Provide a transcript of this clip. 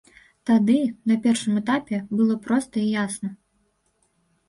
Тады, на першым этапе, было проста і ясна.